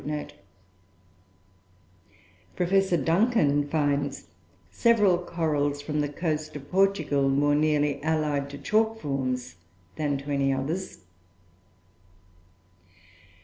] Professor Duncan finds "several corals from the coast of Portugal more nearly allied to chalk forms than to any others."